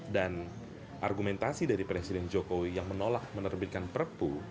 argumentasi dari presiden jokowi yang menolak menerbitkan perpu